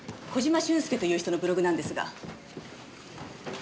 小島俊介という人のブログなんですが。